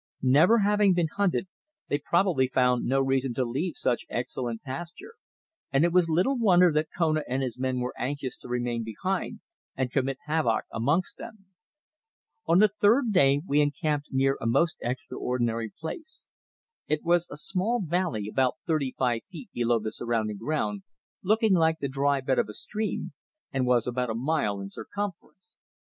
Never having been hunted, they probably found no reason to leave such excellent pasture, and it was little wonder that Kona and his men were anxious to remain behind and commit havoc amongst them. On the third day we encamped near a most extraordinary place. It was a small valley about thirty five feet below the surrounding ground, looking like the dry bed of a stream, and was about a mile in circumference.